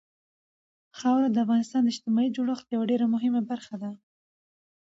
خاوره د افغانستان د اجتماعي جوړښت یوه ډېره مهمه برخه ده.